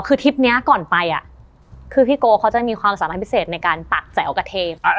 คือทริปนี้ก่อนไปคือพี่โกเขาจะมีความสามารถพิเศษในการตักแจ๋วกับเทพ